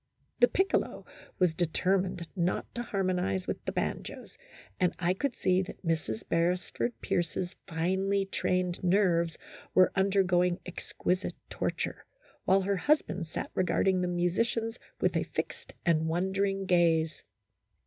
The piccolo was determined not to harmonize with the banjos, and I could see that Mrs. Beresford Pierce's finely trained nerves were undergoing exquisite torture, while her husband sat regarding the musicians with a fixed and wondering gaze.